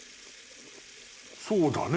そうだね。